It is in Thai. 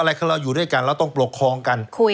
ละครเราอยู่ด้วยกันแล้วต้องปรกคลองกัน